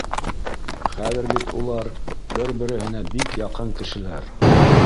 Хәҙер бит улар бер-береһенә бик яҡын кешеләр